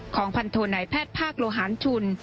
ของพันโทนายแพทย์ภาคโลหารชุน